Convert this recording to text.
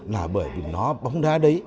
là bởi vì nó bóng đá đấy